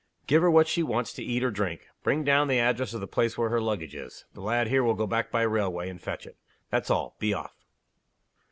Give her what she wants to eat or drink. Bring down the address of the place where her luggage is. The lad here will go back by railway, and fetch it. That's all. Be off."